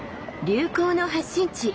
流行の発信地